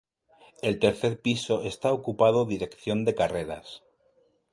El tercer piso está ocupado dirección de carreras.